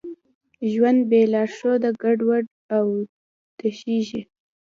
ژوند بېلارښوده ګډوډ او تشېږي.